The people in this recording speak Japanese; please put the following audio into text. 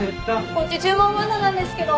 こっち注文まだなんですけど。